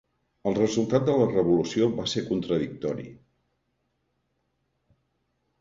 El resultat de la revolució va ser contradictori.